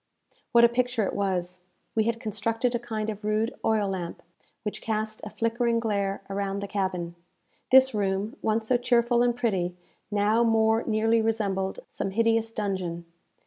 What a picture it was! We had constructed a kind of rude oil lamp, which cast a flickering glare around the cabin. This room, once so cheerful and pretty, now more nearly resembled some hideous dungeon.